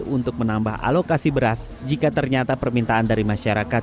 untuk menambah alokasi beras jika ternyata permintaan dari masyarakat